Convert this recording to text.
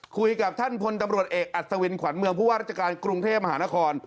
คุยกับท่านพลตำรวจเอกอัศวินขวัญเมืองผู้ว่าราชการกรุงเทพมหานคร